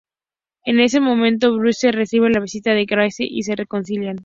En ese momento, Bruce recibe la visita de Grace y se reconcilian.